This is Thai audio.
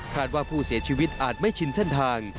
ว่าผู้เสียชีวิตอาจไม่ชินเส้นทาง